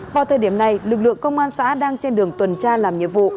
vào thời điểm này lực lượng công an xã đang trên đường tuần tra làm nhiệm vụ